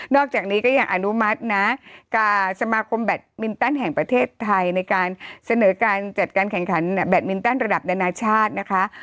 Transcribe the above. อกจากนี้ก็ยังอนุมัตินะกับสมาคมแบตมินตันแห่งประเทศไทยในการเสนอการจัดการแข่งขันแบตมินตันระดับนานาชาตินะคะ